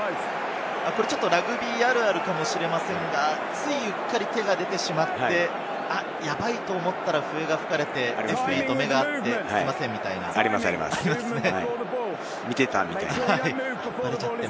ラグビーあるあるかもしれませんが、ついうっかり手が出てしまって、やばいと思ったら、笛を吹かれて、レフェリーと目が合って、すみませんみたいな。ありますね、見ていたみたいな。